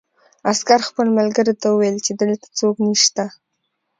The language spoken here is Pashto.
عسکر خپل ملګري ته وویل چې دلته څوک نشته